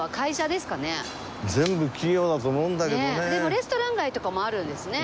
でもレストラン街とかもあるんですね。